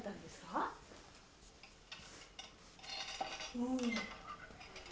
うん。